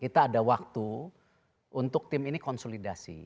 kita ada waktu untuk tim ini konsolidasi